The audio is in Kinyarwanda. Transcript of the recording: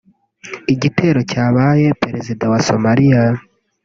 Iki gitero cyabaye Perezida wa Somalia